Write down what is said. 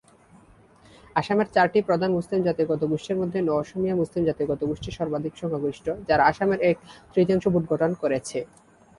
আসামের চারটি প্রধান মুসলিম জাতিগত গোষ্ঠী মধ্যে ন-অসমীয়া মুসলিম জাতিগত গোষ্ঠী সর্বাধিক সংখ্যাগরিষ্ঠ যারা আসামের এক তৃতীয়াংশ ভোট গঠন করেছে।